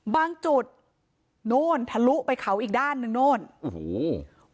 บางจุดโน่นทะลุไปเขาอีกด้านหนึ่งโน่นโอ้โห